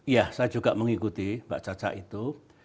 ya saya juga mengikuti mbak caca itu